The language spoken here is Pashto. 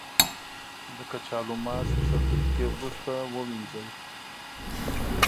د کچالو ماسک شل دقیقې وروسته ووينځئ.